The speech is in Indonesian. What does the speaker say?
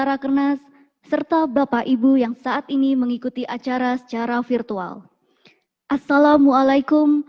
rakernas serta bapak ibu yang saat ini mengikuti acara secara virtual assalamualaikum